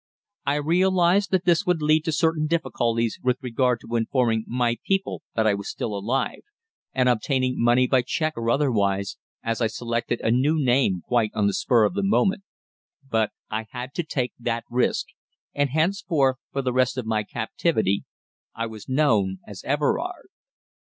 I realized that this would lead to certain difficulties with regard to informing my people that I was still alive, and obtaining money by cheque or otherwise, as I selected a new name quite on the spur of the moment; but I had to take that risk, and henceforth for the rest of my captivity I was known as Everard.